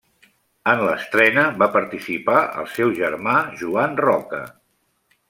En l'estrena va participar el seu germà Joan Roca.